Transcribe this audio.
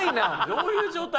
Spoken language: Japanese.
どういう状態？